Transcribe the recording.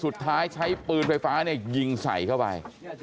สุดท้ายใช้ปืนไฟฟ้ายิงใสเข้าไป